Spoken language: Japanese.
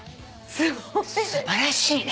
素晴らしいね。